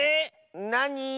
なに？